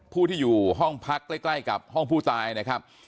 ผู้ที่อยู่ห้องพักใกล้กับห้องผู้ตายนะครับ